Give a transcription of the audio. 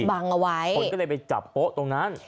บังเอาไว้คนก็เลยไปจับโป๊ะตรงนั้น